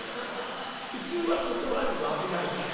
普通は断るよ危ないから。